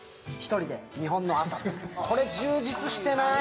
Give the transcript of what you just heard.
これ充実してない？